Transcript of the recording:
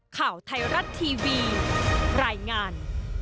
ข่าวไทยรัฐทีวีรายงาน